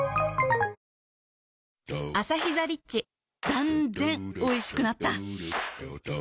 断然おいしくなった